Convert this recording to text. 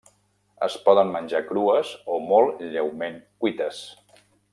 Es poden menjar crues o molt lleument cuites.